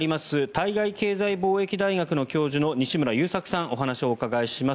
対外経済貿易大学の教授の西村友作さんにお話をお伺いします。